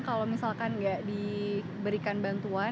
kalau misalkan nggak diberikan bantuan